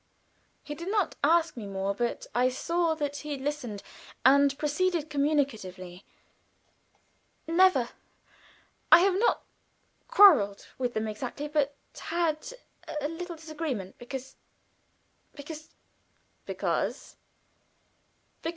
He did not ask more, but I saw that he listened, and proceeded communicatively: "Never. I have not quarreled with them exactly, but had a disagreement, because because " "Because?"